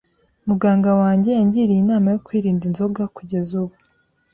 Muganga wanjye yangiriye inama yo kwirinda inzoga kugeza ubu.